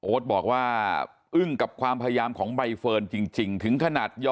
บอกว่าอึ้งกับความพยายามของใบเฟิร์นจริงถึงขนาด